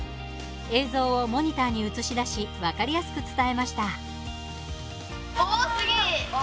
映像をモニターに映し出し分かりやすく伝えました。